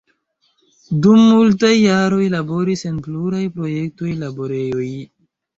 Dum multaj jaroj laboris en pluraj projekto-laborejoj.